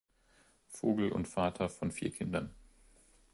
Vogel und Vater von vier Kindern.